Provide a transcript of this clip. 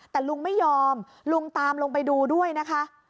แต่ลุงไม่ยอมลุงตามลงไปดูด้วยนะคะ